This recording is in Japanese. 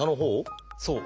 そう。